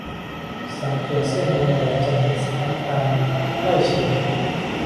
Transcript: สังเกตเส้นวงแหวนจะเป็นสีน้ำตาลไล่เฉด